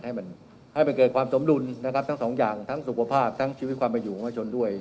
ให้มันให้มันเกิดความสมดุลนะครับทั้งสองอย่างทั้งสุขภาพทั้งชีวิตความเป็นอยู่ของประชาชนด้วย